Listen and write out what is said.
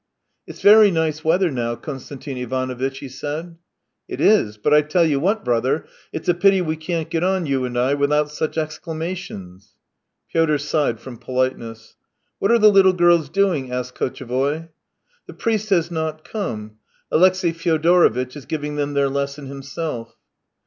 " It's very nice weather now, Konstantin Ivanovitch," he said. " It is, but I tell you what, brother, it's a pity we can't get on, you and I, without such ex clamations." Pyotr sighed from politeness. "What are the httle girls doing?" asked Kotchevoy. " The priest has not come. Alexey Fyodoro vitch is giving them their lesson himself."